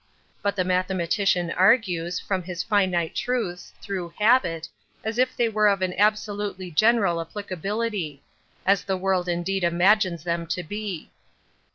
But the mathematician argues, from his finite truths, through habit, as if they were of an absolutely general applicability—as the world indeed imagines them to be.